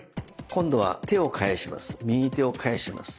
今度は手を返します。